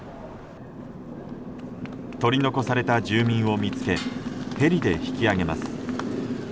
取り残された住民を見つけヘリで引き上げます。